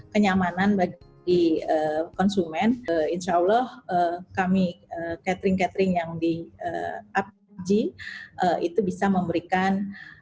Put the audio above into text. kenyamanan bagi konsumen insyaallah kami catering catering yang di abji itu bisa memberikan